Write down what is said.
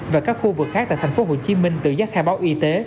và các khu vực khác tại thành phố hồ chí minh tự dắt khai báo y tế